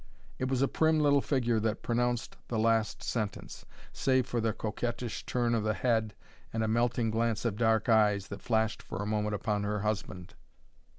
It was a prim little figure that pronounced the last sentence save for the coquettish turn of the head and a melting glance of dark eyes that flashed for a moment upon her husband.